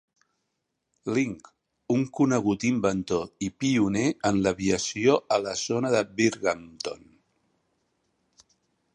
Link, un conegut inventor i pioner en l'aviació a la zona de Binghamton.